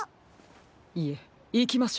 いえいきましょう。